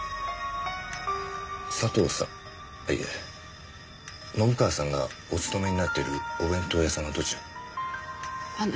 佐藤さんいえ信川さんがお勤めになっているお弁当屋さんはどちらに？